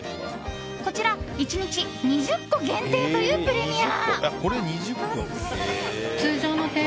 こちら、１日２０個限定というプレミア。